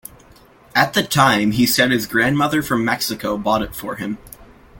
At the time he said his grandmother from Mexico bought it for him.